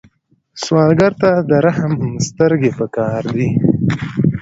سوالګر ته د رحم سترګې پکار دي